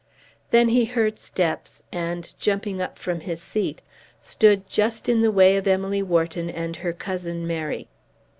Then he heard steps, and jumping up from his seat, stood just in the way of Emily Wharton and her cousin Mary.